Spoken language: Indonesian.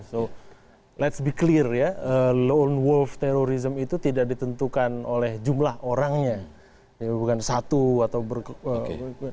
so let's be clear ya lone wolf terrorism itu tidak ditentukan oleh jumlah orangnya bukan satu atau berkeluarga